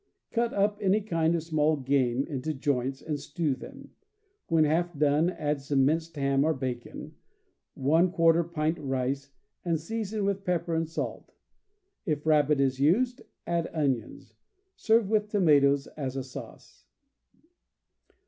Cut up any kind of small game into joints, and stew them. When half done, add some minced ham or bacon, j pint rice, and season with pepper and salt. If rabbit is used, add onions. Serve with toma toes as a sauce.